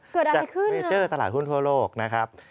เกิดอะไรขึ้นเวเจอร์ตลาดหุ้นทั่วโลกนะครับ